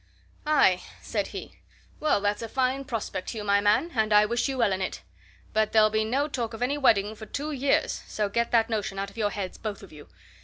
"Aye!" said he. "Well, that's a fine prospect, Hugh, my man, and I wish you well in it. But there'll be no talk of any wedding for two years so get that notion out of your heads, both of you!